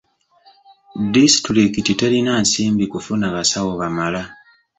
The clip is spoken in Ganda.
Disitulikiti terina nsimbi kufuna basawo bamala.